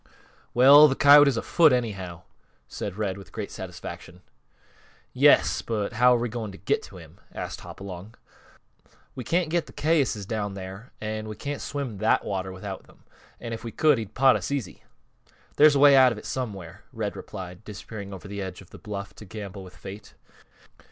"Well, th' coyote is afoot, anyhow," said Red, with great satisfaction. "Yes; but how are we going to get to him?" asked Hopalong. "We can't get th' cayuses down here, an' we can't swim that water without them. And if we could, he'd pot us easy." "There's a way out of it somewhere," Red replied, disappearing over the edge of the bluff to gamble with Fate.